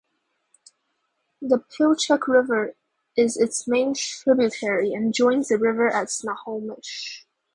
The Pilchuck River is its main tributary and joins the river at Snohomish.